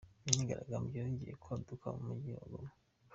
Imyigaragambyo yongeye kwaduka mu Mujyi wa Goma